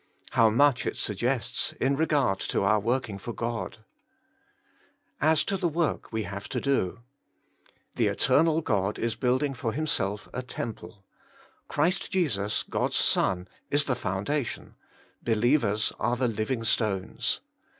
How much it suggests in regard to our working for God ! As to the zi'ork ivc have to do. — The eter nal God is building for Himself a temple; Christ Jesus, God's Son, is the foundation ; believers are the living stones.